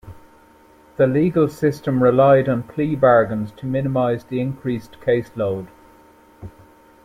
The legal system relied on plea bargains to minimize the increased case load.